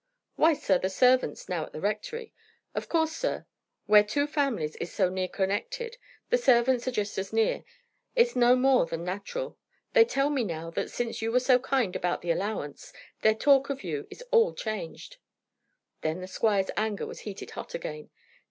"Why, sir, the servants now at the rectory. Of course, sir, where two families is so near connected, the servants are just as near: it's no more than natural. They tell me now that since you were so kind about the allowance, their talk of you is all changed." Then the squire's anger was heated hot again.